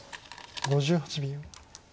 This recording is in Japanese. ５８秒。